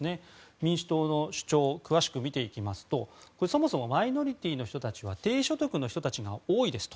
民主党の主張を詳しく見ていきますとそもそもマイノリティーの人たちは低所得の人が多いですと。